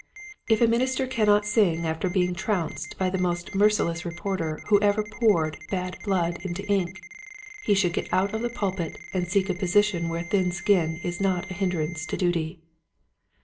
If a minister cannot sing after being trounced by the most merciless reporter who ever poured bad blood into ink, he should get out of the pulpit and seek a position where thin skin is not a hindrance to duty.